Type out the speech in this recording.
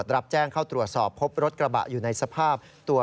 รับแจ้งเข้าตรวจสอบพบรถกระบะอยู่ในสภาพตัว